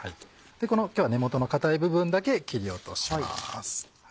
今日は根元の硬い部分だけ切り落とします。